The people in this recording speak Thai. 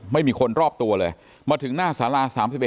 ไม่มีคนรอบตัวเลยมาถึงหน้าสารา๓๑